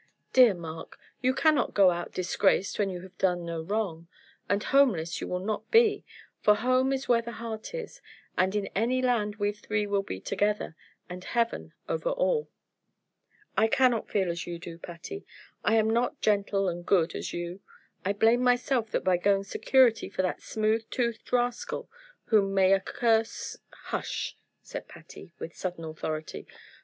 "Dear Mark, you cannot go out disgraced when you have done no wrong; and homeless you will not be, for home is where the heart is, and in any land we three will be together, and Heaven over all." "I cannot feel as you do, Patty. I am not gentle and good as you. I blame myself that by going security for that smooth tongued rascal, whom may a curse " "Hush!" said Patty, with sudden authority.